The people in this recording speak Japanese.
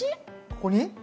ここに？